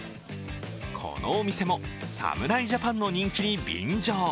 このお店も侍ジャパンの人気に便乗。